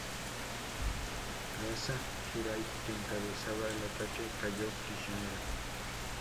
Gaza Giray, que encabezaba el ataque, cayó prisionero.